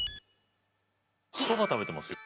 そば食べてますよ。